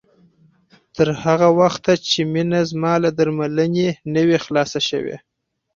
تر هغه وخته چې مينه زما له درملنې نه وي خلاصه شوې